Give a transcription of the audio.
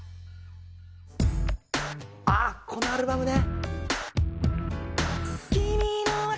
「あっこのアルバムね」